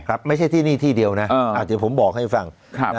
ครับไม่ใช่นี่ที่เดียวนะอาทิตย์ผมบอกให้ฟัง